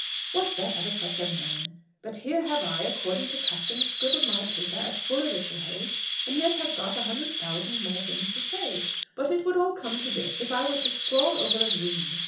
Was there ever such a man! But here have I, according to custom, scribbled my paper as full as it will hold, and yet have got a hundred thousand more things to say; but it would all come to this, if I were to scrawl over a ream.